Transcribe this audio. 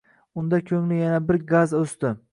Unda koʻngli yana bir gaz oʻsdi.